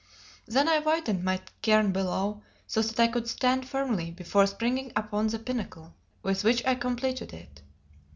Then I widened my cairn below, so that I could stand firmly before springing upon the pinnacle with which I completed it.